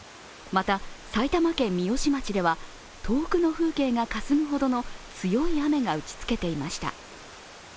また埼玉県三芳町では、遠くの風景がかすむほどの強い雨が打ちつけていました。